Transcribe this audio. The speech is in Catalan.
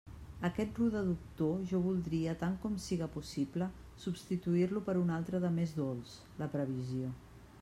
Aquest rude doctor, jo voldria, tant com siga possible, substituir-lo per un altre de més dolç: la previsió.